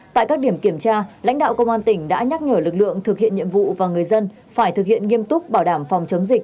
tại các điểm kiểm tra lãnh đạo công an tỉnh đã nhắc nhở lực lượng thực hiện nhiệm vụ và người dân phải thực hiện nghiêm túc bảo đảm phòng chống dịch